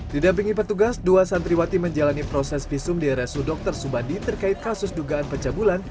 didampingi petugas dua santriwati menjalani proses visum di rsu dr subandi terkait kasus dugaan pencabulan